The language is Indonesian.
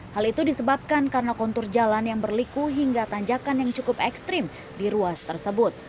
hal itu disebabkan karena kontur jalan yang berliku hingga tanjakan yang cukup ekstrim di ruas tersebut